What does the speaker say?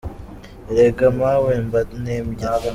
Erega mawe mbantebya